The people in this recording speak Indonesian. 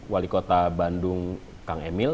wali kota bandung kang emil